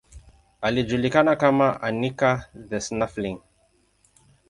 Alijulikana kama Anica the Snuffling.